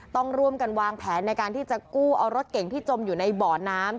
ต้องร่วมกันวางแผนในการที่จะกู้เอารถเก่งที่จมอยู่ในบ่อน้ำ